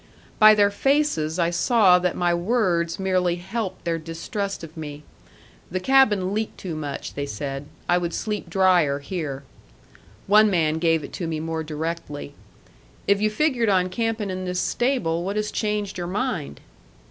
By their faces I saw that my words merely helped their distrust of me. The cabin leaked too much, they said; I would sleep drier here. One man gave it to me more directly: "If you figured on camping in this stable, what has changed your mind?"